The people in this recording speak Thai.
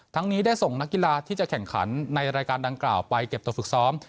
นี้ได้ส่งนักกีฬาที่จะแข่งขันในรายการดังกล่าวไปเก็บตัวฝึกซ้อม